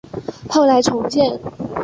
后来重建。